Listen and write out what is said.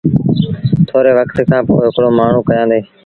ٿوري وکت کآݩ پو هڪڙي مآڻهوٚݩ ڪيآندي۔